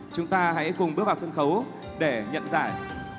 chúng ta hãy cùng bước vào sân khấu để nhận giải